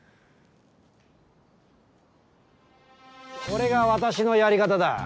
これが私のやり方だ。